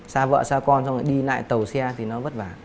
xa vợ xa con xong rồi đi lại tàu xe thì nó vất vả